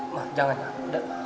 eh ma jangan